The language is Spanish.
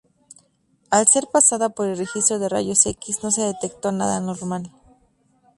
Al ser pasada por el registro de rayos X no se detectó nada anormal.